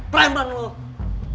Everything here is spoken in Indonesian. prime ban lu